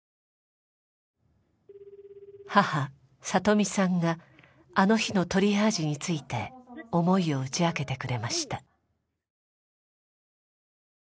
母里美さんがあの日のトリアージについて思いを打ち明けてくれました。